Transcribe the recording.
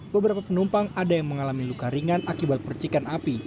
beberapa penumpang ada yang mengalami luka ringan akibat percikan api